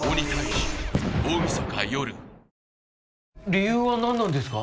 理由は何なんですか？